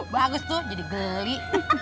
bagus tuh jadi geli